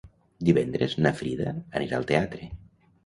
Divendres na Frida anirà al teatre.